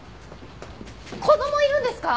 子供いるんですか？